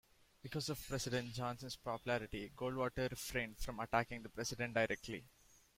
Because of President Johnson's popularity, Goldwater refrained from attacking the president directly.